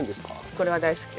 これは大好きで。